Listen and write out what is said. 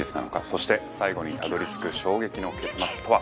そして、最後にたどり着く衝撃の結末とは？